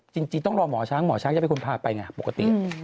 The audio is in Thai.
จริงต้องรอหมอช้างหมอช้างจะเป็นคนพาไปไงปกติ